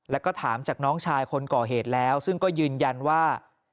แล้วก็ถามจากน้องชายคนก่อเหตุแล้วซึ่งก็ยืนยันว่า